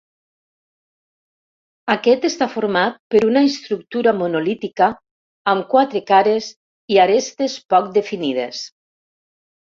Aquest està format per una estructura monolítica amb quatre cares i arestes poc definides.